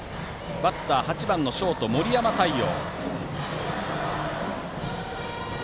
バッター８番ショートの森山太陽。